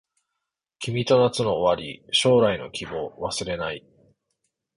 君と夏の終わり将来の希望忘れない